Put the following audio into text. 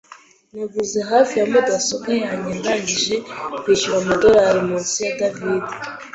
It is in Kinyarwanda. Naguze hafi ya mudasobwa yanjye ndangije kwishyura amadorari munsi ya David.